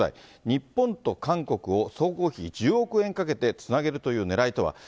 日本と韓国を総工費１０億円かけてつなげるというねらいとは。